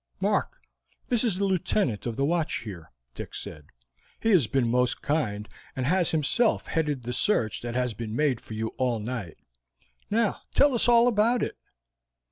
"Mark, this is the Lieutenant of the watch here," Dick said. "He has been most kind, and has himself headed the search that has been made for you all night. Now tell us all about it."